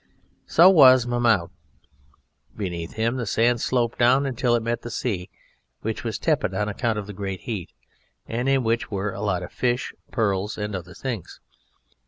So was Mahmoud. Beneath him the sand sloped down until it met the sea, which was tepid on account of the great heat, and in which were a lot of fish, pearls, and other things.